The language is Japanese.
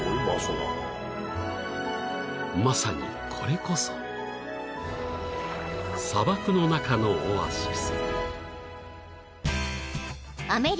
［まさにこれこそ砂漠の中のオアシス］